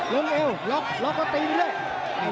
ลงเอวล็อกล็อกมาตีด้วย